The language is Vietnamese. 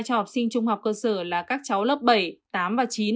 cho học sinh trung học cơ sở là các cháu lớp bảy tám và chín